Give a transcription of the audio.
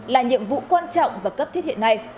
là nhiệm vụ quan trọng và cấp thiết hiện nay